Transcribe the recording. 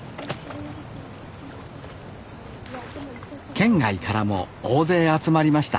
県外からも大勢集まりました